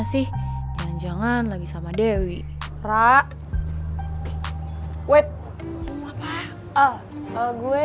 sama ejeruk ya sama ejeruk bu